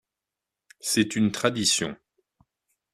C'est une tradition.